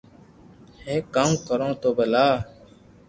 ھي ڪاو ڪرو تو ڀلا